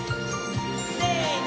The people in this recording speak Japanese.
せの！